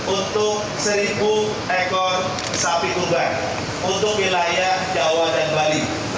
untuk seribu ekor sapi tunggal untuk wilayah jawa dan bali